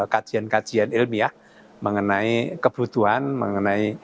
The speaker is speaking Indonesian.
kajian kajian ilmiah mengenai kebutuhan mengenai